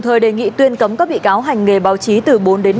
từ hai đến ba năm tù